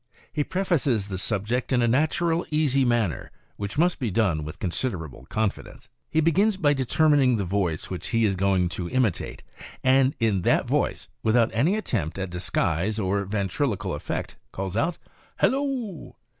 He prefaces the subject in a natural, easy manner, which must be done with considerable confidence. He begins by determining the voice which he is going to imitate, and in that voice, without any attempt at disguise or ventriloquial effect, calls out "Hallo!"